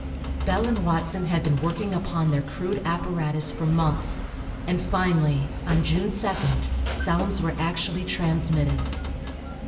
Bell and Watson had been working upon their crude apparatus for months, and finally, on June 2d, sounds were actually transmitted.